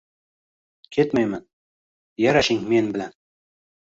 Ketmayman. Yarashing men bilan.